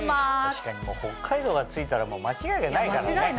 確かに「北海道」がついたらもう間違いがないからね。